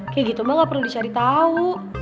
kayak gitu mah gak perlu dicari tahu